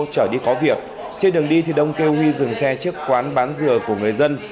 chở đi có việc trên đường đi thì đông kêu huy dừng xe trước quán bán dừa của người dân